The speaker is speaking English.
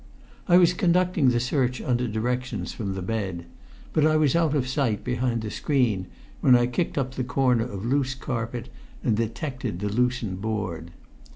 I was conducting the search under directions from the bed, but I was out of sight behind the screen when I kicked up the corner of loose carpet and detected the loosened board.